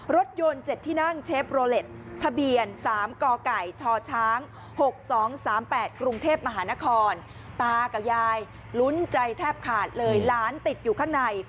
รถยนต์๗ที่นั่งเชฟโรเล็ตทะเบียน๓กไก่ชช๖๒๓๘กรุงเทพมหานครตากับยายลุ้นใจแทบขาดเลยหลานติดอยู่ข้างใน